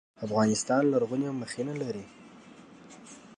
افغانستان لرغوني مخینه لري